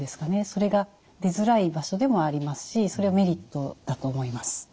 それが出づらい場所でもありますしそれはメリットだと思います。